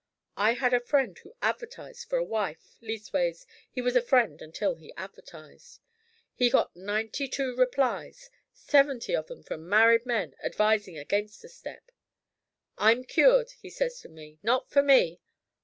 I had a friend who advertised for a wife, leastways, he was a friend until he advertised. He got ninety two replies, seventy of 'em from married men advising against the step. 'I'm cured,' he says to me. 'Not for me.'